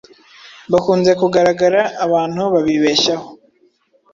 bakunze kugaragara abantu babibeshyaho